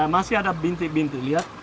masih ada bintik bintik lihat